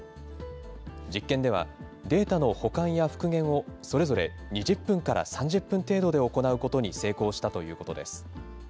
実験では、データの保管や復元をそれぞれ２０分から３０分程度で行うことに成功したということです。